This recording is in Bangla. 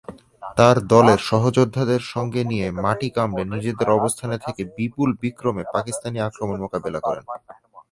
তার দলের সহযোদ্ধাদের সঙ্গে নিয়ে মাটি কামড়ে নিজেদের অবস্থানে থেকে বিপুল বিক্রমে পাকিস্তানি আক্রমণ মোকাবিলা করেন।